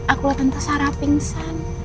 aku liat tante sarah pingsan